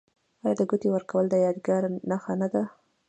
آیا د ګوتې ورکول د یادګار نښه نه ده؟